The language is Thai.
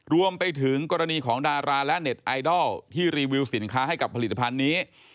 รวมไปถึงกรณีของดาราและเน็ตไอดอลที่รีวิวสินค้าให้กับผลิตภัณฑ์นี้